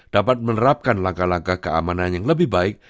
dapat menerapkan langkah langkah keamanan yang lebih baik